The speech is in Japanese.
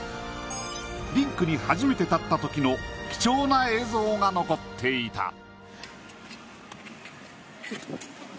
リンクに初めて立ったときの貴重な映像が残っていた。